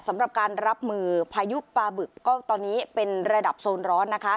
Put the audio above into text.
สำหรับการรับมือพายุปลาบึกก็ตอนนี้เป็นระดับโซนร้อนนะคะ